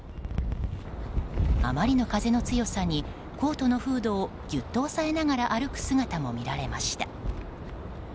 あまりの風の強さにコートのフードをギュッと押さえながら歩く姿も見られました。